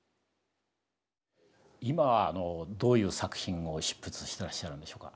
今どういう作品を執筆してらっしゃるんでしょうか？